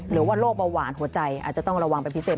โรคเบาหวานหัวใจอาจจะต้องระวังเป็นพิเศษ